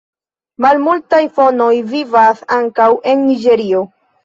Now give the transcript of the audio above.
Malmultaj fonoj vivas ankaŭ en Niĝerio.